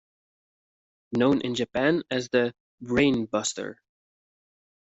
Known in Japan as the "brainbuster".